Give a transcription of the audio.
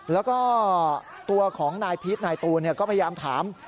แล้วก็ตัวของนายพีชนายตูนก็พยายามถาม